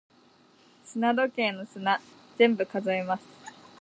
砂時計の砂、全部数えます。